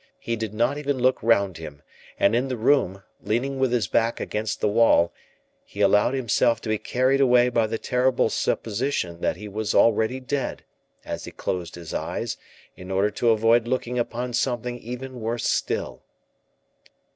He did not even look round him; and in the room, leaning with his back against the wall, he allowed himself to be carried away by the terrible supposition that he was already dead, as he closed his eyes, in order to avoid looking upon something even worse still.